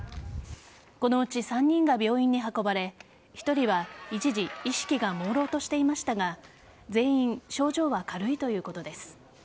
このうち３人が病院に運ばれ１人は一時意識がもうろうとしていましたが全員、症状は軽いということです。